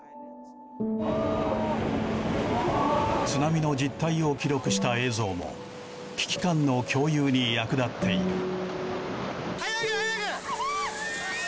津波の実態を記録した映像も危機感の共有に役立っている。